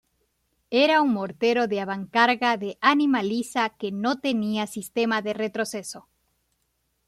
Era un mortero de avancarga, de ánima lisa, que no tenía sistema de retroceso.